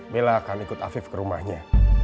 mila akan ikut afif ke rumahnya